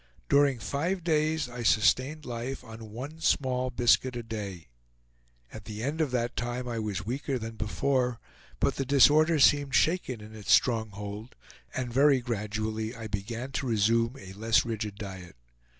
During five days I sustained life on one small biscuit a day. At the end of that time I was weaker than before, but the disorder seemed shaken in its stronghold and very gradually I began to resume a less rigid diet.